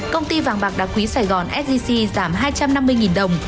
công ty vàng bạc đặc quý sài gòn sgc giảm hai trăm năm mươi nghìn đồng